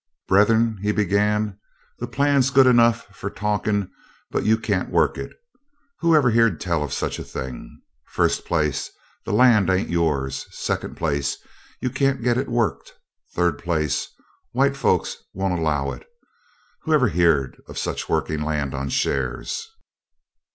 "Brethren," he began, "the plan's good enough for talkin' but you can't work it; who ever heer'd tell of such a thing? First place, the land ain't yours; second place, you can't get it worked; third place, white folks won't 'low it. Who ever heer'd of such working land on shares?"